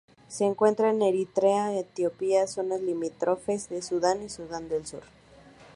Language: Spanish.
Se encuentra en Eritrea, Etiopía y zonas limítrofes de Sudán y Sudán del Sur.